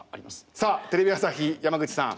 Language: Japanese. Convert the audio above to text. さあテレビ朝日山口さん。